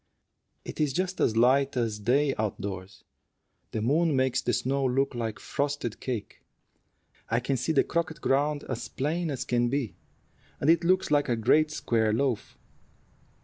It's just as light as day out doors. The moon makes the snow look like frosted cake. I can see the croquet ground as plain as can be, and it looks like a great square loaf.